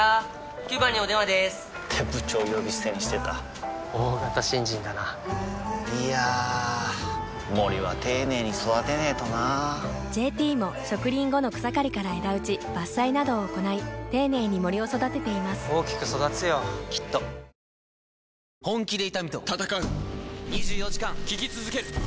９番にお電話でーす！って部長呼び捨てにしてた大型新人だないやー森は丁寧に育てないとな「ＪＴ」も植林後の草刈りから枝打ち伐採などを行い丁寧に森を育てています大きく育つよきっと現在、日本は２位です。